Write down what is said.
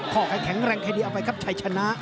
ขอให้แข็งแรงใครดีเอาไปครับชัยชนะ